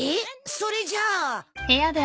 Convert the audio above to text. それじゃあ。